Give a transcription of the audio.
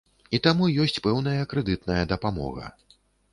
І таму ёсць пэўная крэдытная дапамога.